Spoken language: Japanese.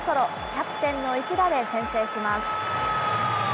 キャプテンの一打で先制します。